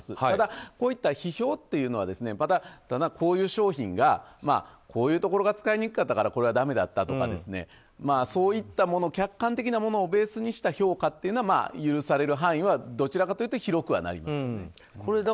ただ、こういった批評というのは、こういう商品がこういうところが使いにくかったからこれがだめだったですとかそういったもの客観的なものをベースにした評価というのは許される範囲はどちらかというと広くはなります。